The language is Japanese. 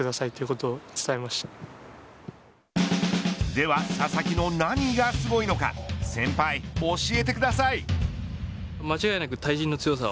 では佐々木の何がすごいのか先輩教えてください。